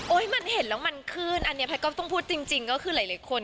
มันเห็นแล้วมันขึ้นอันนี้แพทย์ก็ต้องพูดจริงก็คือหลายคน